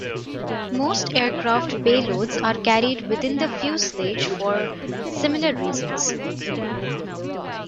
Most aircraft payloads are carried within the fuselage for similar reasons.